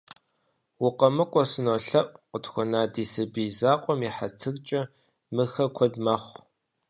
- УкъэмыкӀуэ, сынолъэӀу, къытхуэна ди сабий закъуэм и хьэтыркӀэ, мыхэр куэд мэхъу.